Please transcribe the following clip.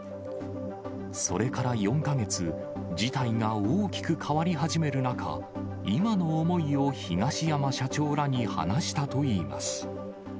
それから４か月、事態が大きく変わり始める中、今の思いを東山社長らに話したといいます。